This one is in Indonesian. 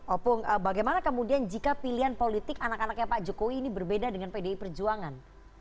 opung bagaimana kemudian jika pilihan politik anak anaknya pak jokowi ini berbeda dengan pdi perjuangan